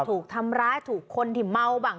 ถูกทำร้ายถูกคนที่เมาบ้าง